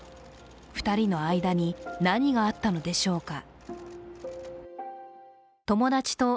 ２人の間に、何があったのでしょうか。